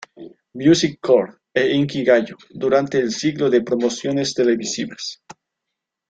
Music Core" e "Inkigayo" durante el ciclo de promociones televisivas.